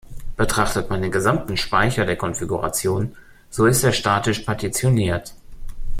Betrachtet man den gesamten Speicher der Konfiguration, so ist er statisch partitioniert.